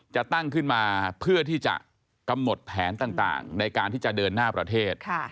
จะตั้งขึ้นมาเพื่อที่จะกำหนดแผนต่างในการที่จะเดินหน้าประเทศ